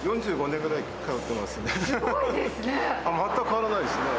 ４５年くらい通っていますね。